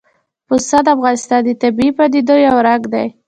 پسه د افغانستان د طبیعي پدیدو یو رنګ دی.